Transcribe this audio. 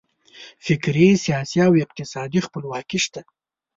فکري، سیاسي او اقتصادي خپلواکي شته.